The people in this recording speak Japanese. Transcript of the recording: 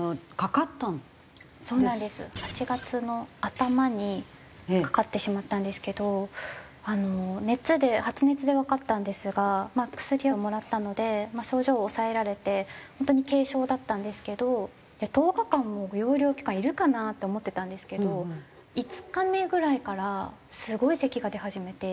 ８月の頭にかかってしまったんですけどあの熱で発熱でわかったんですがまあ薬をもらったので症状を抑えられて本当に軽症だったんですけど１０日間も療養期間いるかな？って思ってたんですけど５日目ぐらいからすごいせきが出始めて。